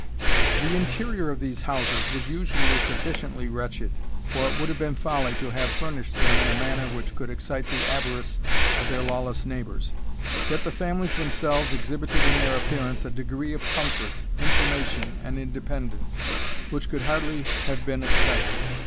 The interior of these houses was usually sufficiently wretched, for it would have been folly to have furnished them in a manner which could excite the avarice of their lawless neighbours. Yet the families themselves exhibited in their appearance a degree of comfort, information, and independence, which could hardly have been expected.